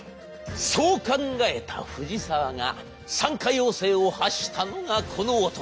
そう考えた藤沢が参加要請を発したのがこの男。